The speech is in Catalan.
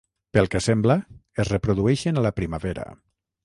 Pel que sembla, es reprodueixen a la primavera.